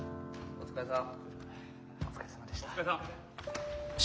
お疲れさん。